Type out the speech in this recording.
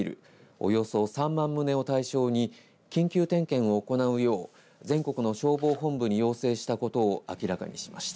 およそ３万棟を対象に緊急点検を行うよう全国の消防本部に要請したことを明らかにしました。